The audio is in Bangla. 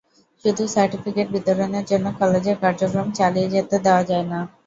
শুধু সার্টিফিকেট বিতরণের জন্য কলেজের কার্যক্রম চালিয়ে যেতে দেওয়া যায় না।